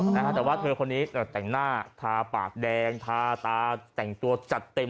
แต่ว่าเธอคนนี้แต่งหน้าทาปากแดงทาตาแต่งตัวจัดเต็ม